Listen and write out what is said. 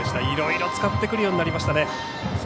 いろいろ使ってくるようになりましたね。